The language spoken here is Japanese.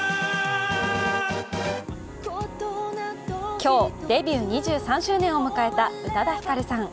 今日デビュー２３周年を迎えた宇多田ヒカルさん。